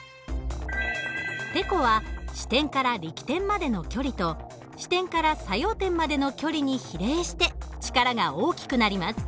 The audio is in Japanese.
てこは支点から力点までの距離と支点から作用点までの距離に比例して力が大きくなります。